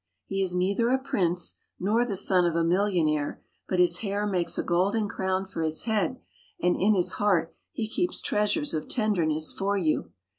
He is neither a Prince nor the son of a millionaire ; but his hair makes a golden crown for his head, and in his heart he keeps treasures of tenderness for you.